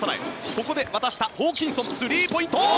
ここで渡したホーキンソン、スリーポイント！